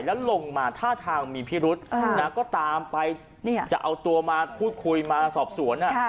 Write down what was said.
แล้วลงมาท่าทางมีพิรุษก็ตามไปจะเอาตัวมาพูดคุยมาสอบสวน